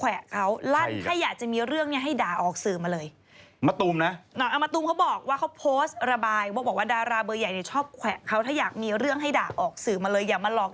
เอาเรื่องดีเจอีกคนนึงก่อน